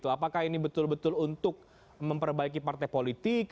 apakah ini betul betul untuk memperbaiki partai politik